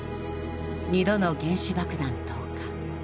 ２度の原子爆弾投下。